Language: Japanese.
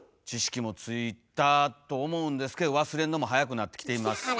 知識もついたと思うんですけど忘れるのも早くなってきています。